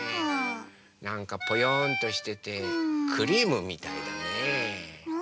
なんかぽよんとしててクリームみたいだね。